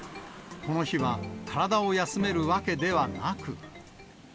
この日は体を休めるわけではなく。